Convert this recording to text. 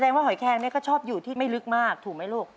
ว่าหอยแคงเนี่ยก็ชอบอยู่ที่ไม่ลึกมากถูกไหมลูก